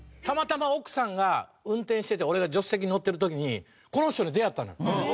たまたま奥さんが運転してて俺が助手席乗ってる時にこの人に出会ったの。